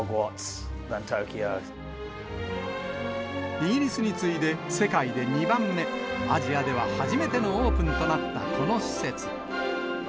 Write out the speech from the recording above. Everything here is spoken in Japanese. イギリスに次いで世界に２番目、アジアでは初めてのオープンとなったこの施設。